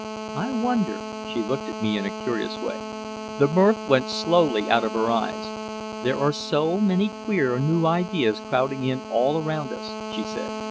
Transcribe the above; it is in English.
"I wonder." She looked at me in a curious way. The mirth went slowly out of her eyes. "There are so many queer new ideas crowding in all around us," she said.